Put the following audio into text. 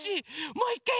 もういいかい？